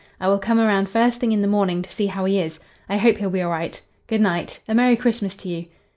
I will come around first thing in the morning to see how he is. I hope he'll be all right. Good night. A merry Christmas to you."